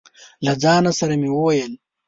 له ځانه سره مې وويل: